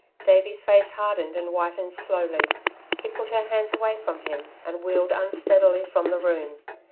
Davey's face hardened and whitened slowly. He put her hands away from him and wheeled unsteadily from the room.